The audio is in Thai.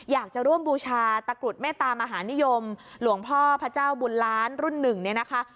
อยากจะร่วมบูชาตะกรุดเมตตามหานิยมหลวงพ่อพระเจ้าบุญล้านรุ่นหนึ่งเนี่ยนะคะ